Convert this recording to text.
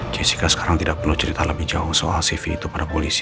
jessica sekarang tidak perlu cerita lebih jauh soal cv itu pada polisi